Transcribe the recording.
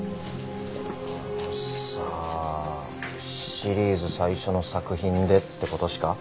シリーズ最初の作品でって事しか。